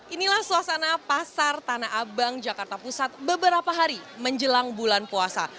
inilah suasana pasar tanah abang jakarta pusat beberapa hari menjelang bulan puasa